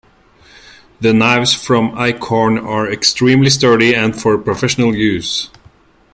The knives from Eickhorn are extremely sturdy and for professional use.